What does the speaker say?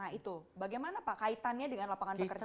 nah itu bagaimana pak kaitannya dengan lapangan pekerjaan